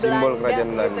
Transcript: simbol kerajaan belanda